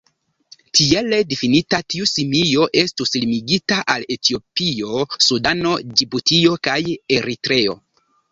Tiele difinita, tiu simio estus limigita al Etiopio, Sudano, Ĝibutio kaj Eritreo.